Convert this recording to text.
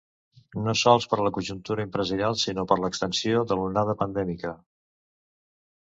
No sols per la conjuntura empresarial, sinó per l’extensió de l’onada pandèmica.